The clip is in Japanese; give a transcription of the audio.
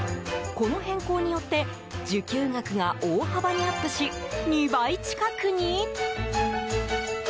この変更によって受給額が大幅にアップし２倍近くに？